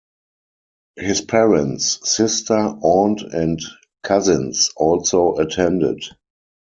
His parents, sister, aunt and cousins also attended.